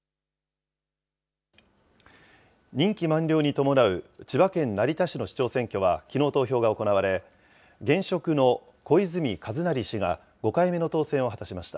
任期満了に伴う千葉県成田市の市長選挙は、きのう投票が行われ、現職の小泉一成氏が５回目の当選を果たしました。